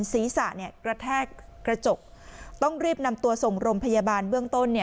ศีรษะกระแทกกระจกต้องรีบนำตัวส่งโรงพยาบาลเบื้องต้น